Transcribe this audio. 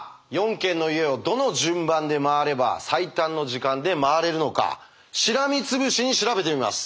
４軒の家をどの順番で回れば最短の時間で回れるのかしらみつぶしに調べてみます。